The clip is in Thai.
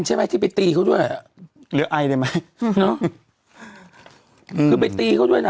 สิบห้าปีมั้ยไม่เคยทิ้งเขาเลย